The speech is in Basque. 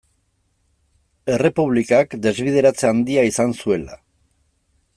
Errepublikak desbideratze handia izan zuela.